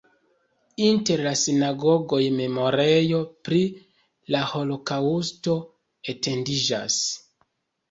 Inter la sinagogoj memorejo pri la holokaŭsto etendiĝas.